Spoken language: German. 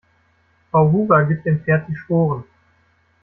Frau Huber gibt dem Pferd die Sporen.